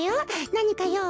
なにかよう？